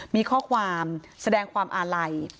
มีข้อความแสดงความอาลัย